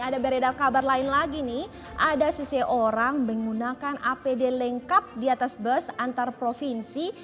ada beredar kabar lain lagi nih ada seseorang menggunakan apd lengkap di atas bus antar provinsi